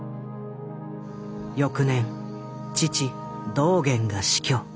翌年父・道源が死去。